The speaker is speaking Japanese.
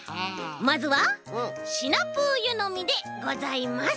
まずはシナプーゆのみでございます。